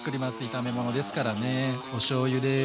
炒め物ですからね。おしょうゆです。